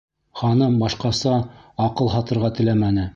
Ханым башҡаса «аҡыл һатырға» теләмәне.